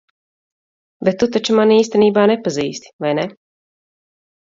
Bet tu taču mani īstenībā nepazīsti, vai ne?